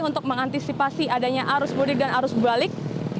untuk mengantisipasi adanya arus mudik dan arus balik